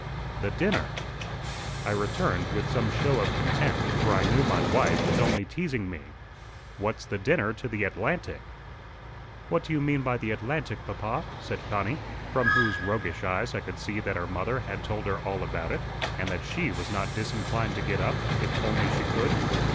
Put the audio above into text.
"The dinner!" I returned with some show of contempt, for I knew my wife was only teasing me. "What's the dinner to the Atlantic?" "What do you mean by the Atlantic, papa?" said Connie, from whose roguish eyes I could see that her mother had told her all about it, and that she was not disinclined to get up, if only she could.